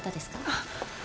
あっ。